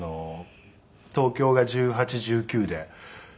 東京が１８１９で。